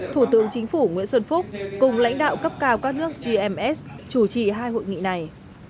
thủ tướng chính phủ nguyễn xuân phúc cùng lãnh đạo cấp cao các nước gms chủ trì hai hội nghị này